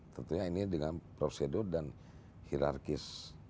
tentunya ini dengan prosedur dan hirarkis